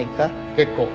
結構。